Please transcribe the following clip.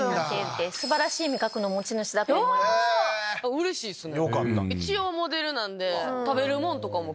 うれしいっすね。